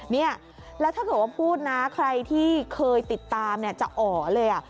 เนี่ยแล้วถ้าเกิดว่าพูดนะใครที่เคยติดตามเนี่ยจะอ๋อเลย